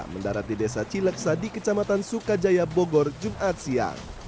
mendarat di desa cileksa di kecamatan sukajaya bogor jumat siang